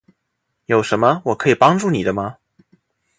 有什么我可以帮助你的吗？